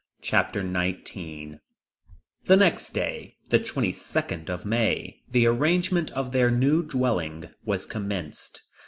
Chapter 19 The next day, the 22nd of May, the arrangement of their new dwelling was commenced.